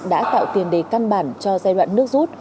đã tạo tiền đề căn bản cho giai đoạn nước rút